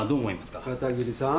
片桐さん？